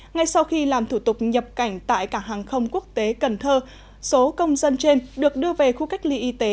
ngay sau khi làm thủ tục nhập cảnh tại cảng hàng không quốc tế cần thơ số công dân trên được đưa về khu cách ly y tế